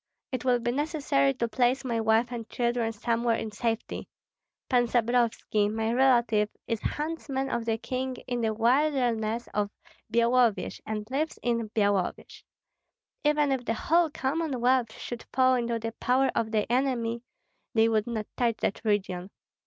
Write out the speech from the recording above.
It will be necessary to place my wife and children somewhere in safety. Pan Stabrovski, my relative, is huntsman of the king in the wilderness of Byalovyej, and lives in Byalovyej. Even if the whole Commonwealth should fall into the power of the enemy, they would not touch that region.